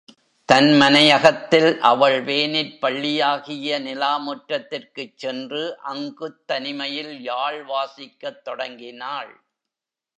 தன் மனையகத்தில் அவள் வேனிற் பள்ளியாகிய நிலா முற்றத்திற்குச் சென்று அங்குத் தனிமையில் யாழ் வாசிக்கத் தொடங்கினாள்.